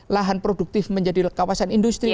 lahan produktif menjadi kawasan industri